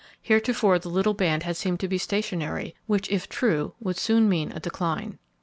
Heretofore the little band had seemed to be stationary, which if true would soon mean a decline.